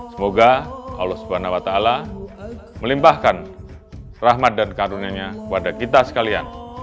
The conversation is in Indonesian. semoga allah swt melimpahkan rahmat dan karunianya kepada kita sekalian